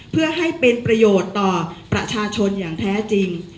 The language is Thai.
เพื่อให้เป็นประโยชน์ต่อประชาชนอย่างแท้จริง